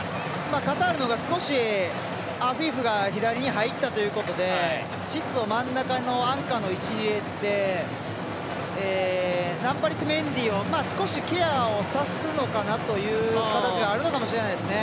カタールのほうが少しアフィフが左に入ったということでシスを真ん中のアンカーの位置に入れてナンパリス・メンディを少しケアをさすのかなという形があるのかもしれないですね。